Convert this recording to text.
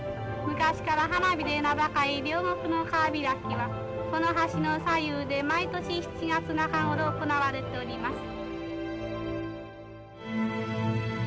昔から花火で名高い両国の川開きはこの橋の左右で毎年７月中頃行われております。